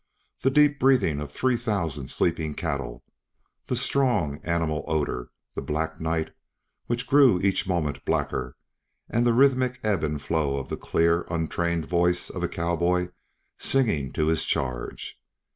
The deep breathing of three thousand sleeping cattle; the strong, animal odor; the black night which grew each moment blacker, and the rhythmic ebb and flow of the clear, untrained voice of a cowboy singing to his charge.